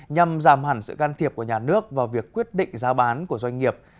nhằm giảm hẳn sự can thiệp của nhà nước vào việc quyết định giá bán của doanh nghiệp